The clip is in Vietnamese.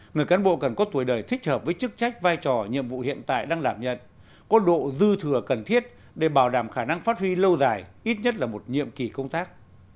người cán bộ cần có tuổi đời thích hợp với chức trách vai trò nhiệm vụ hiện tại đang đảm nhận có độ dư thừa cần thiết để bảo đảm khả năng phát huy lâu dài ít nhất là một nhiệm kỳ công tác